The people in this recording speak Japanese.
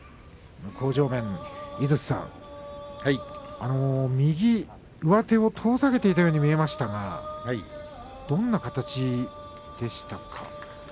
向正面の井筒さん右上手を遠ざけていたように見えましたがどんな形でしたか？